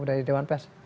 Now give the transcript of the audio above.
dari dewan pers